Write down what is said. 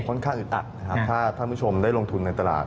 อึดอัดนะครับถ้าท่านผู้ชมได้ลงทุนในตลาด